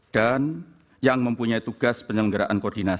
dan yang mempunyai tugas penyelenggaraan koordinator